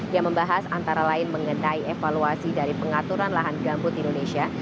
yang membahas antara lain mengenai evaluasi dari pengaturan lahan gambut indonesia